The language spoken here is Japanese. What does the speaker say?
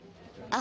あ。